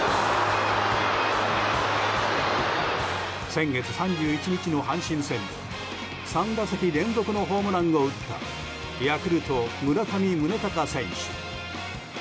先月３１日の阪神戦で３打席連続のホームランを打ったヤクルト、村上宗隆選手。